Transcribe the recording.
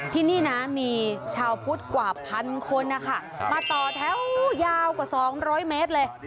ที่นี่นะมีชาวพุทธกว่าพันคนนะคะมาต่อแถวยาวกว่า๒๐๐เมตรเลย